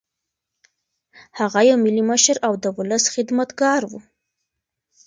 هغه یو ملي مشر او د ولس خدمتګار و.